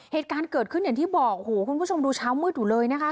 เหตุการณ์เกิดขึ้นอย่างที่บอกโอ้โหคุณผู้ชมดูเช้ามืดอยู่เลยนะคะ